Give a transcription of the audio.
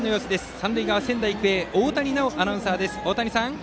三塁側、仙台育英大谷奈央アナウンサーです。